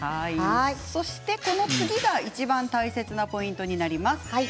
そして、この次はいちばん大切なポイントになります。